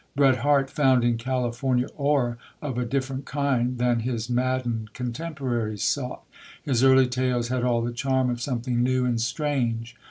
Bret Harte found in California ore of a different kind than his maddened contemporaries sought; his early tales had all the charm of something new and strange.